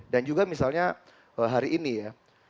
juga misalnya hari ini ya